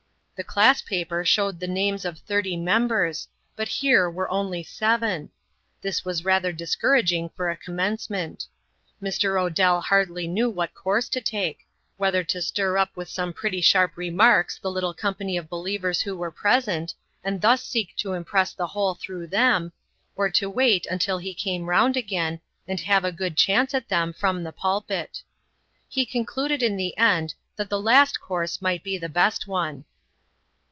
The class paper showed the names of thirty members, but here were only seven! This was rather discouraging for a commencement. Mr. Odell hardly knew what course to take; whether to stir up with some pretty sharp remarks the little company of believers who were present, and thus seek to impress the whole through them; or to wait until he came round again, and have a good chance at them from the pulpit. He concluded in the end, that the last course might be the best one.